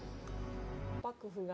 幕府が。